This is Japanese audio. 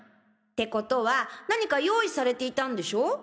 て事は何か用意されていたんでしょ？